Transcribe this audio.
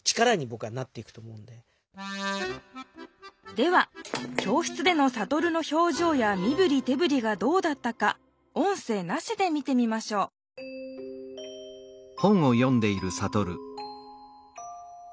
では教室でのサトルの表情やみぶりてぶりがどうだったか音声なしで見てみましょうわっリンちゃん